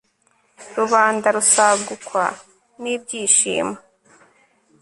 rubanda rusagukwa n'ibyishimo